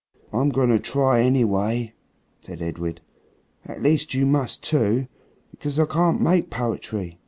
"I'm going to try, anyway," said Edred, "at least you must too. Because I can't make poetry."